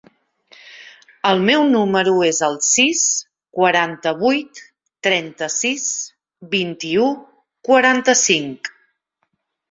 El meu número es el sis, quaranta-vuit, trenta-sis, vint-i-u, quaranta-cinc.